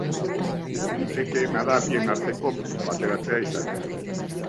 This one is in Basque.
Litekeena da bien arteko bateratzea izatea.